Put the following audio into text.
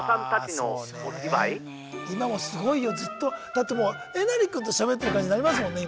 だってもうえなり君としゃべってる感じになりますもんね